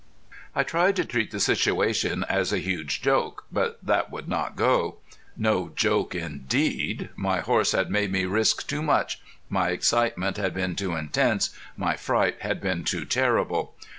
I tried to treat the situation as a huge joke, but that would not go. No joke indeed! My horse had made me risk too much, my excitement had been too intense, my fright had been too terrible.